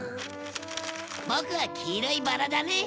ボクは黄色いバラだね。